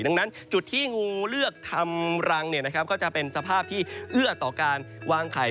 ดังนั้นจุดที่งูเลือกทำรังก็จะเป็นสภาพที่เอื้อต่อการวางไข่